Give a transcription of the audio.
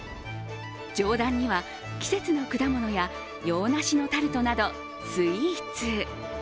上段には季節の果物や洋梨のタルトなどスイーツ。